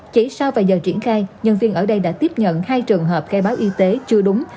chỉ sau vài giờ triển khai nhân viên ở đây đã tiếp nhận hai trường hợp khai báo y tế chưa đúng